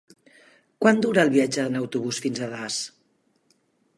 Quant dura el viatge en autobús fins a Das?